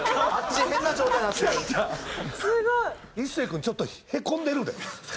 壱誓君ちょっとへこんでるで。